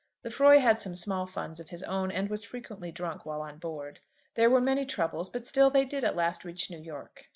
Lefroy had some small funds of his own, and was frequently drunk while on board. There were many troubles; but still they did at last reach New York.